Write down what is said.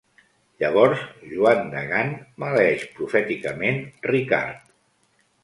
Llavors Joan de Gant maleeix profèticament Ricard.